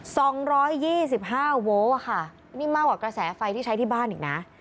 สองร้อยยี่สิบห้าโวลต์อ่ะค่ะนี่มากกว่ากระแสไฟที่ใช้ที่บ้านอีกนะ